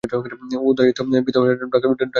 উদয়াদিত্য ভীত হইয়া ডাকিলেন, সুরমা।